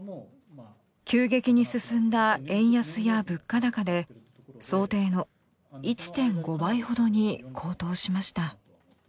急激に進んだ円安や物価高で想定の１．５倍ほどに高騰しました。